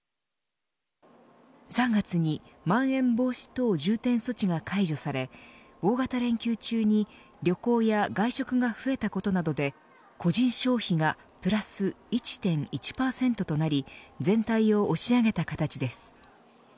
３月にまん延防止等重点措置が解除され大型連休中に旅行や外食が増えたことなどで個人消費がプラス１．１％となり全体を押し上げた形です。